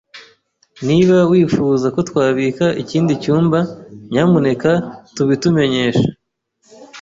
Niba wifuza ko twabika ikindi cyumba, nyamuneka tubitumenyeshe.